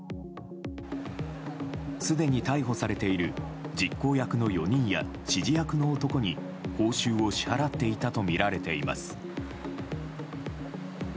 すでに逮捕されている実行役の４人や指示役の男に報酬を支払っていたとみられています。